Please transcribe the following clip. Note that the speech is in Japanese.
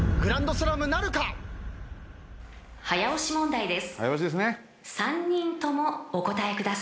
［早押し問題です］